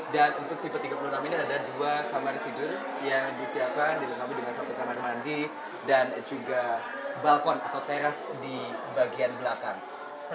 dan untuk tipe tiga puluh enam ini ada dua kamar tidur yang disiapkan di dalamnya dengan satu kamar mandi dan juga balkon atau teras di bagian belakang